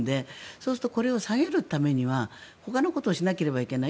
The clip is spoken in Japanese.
そうするとこれを下げるためにはほかのことをしなければいけない。